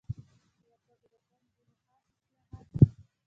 د وردګو د قوم ځینی خاص اصتلاحات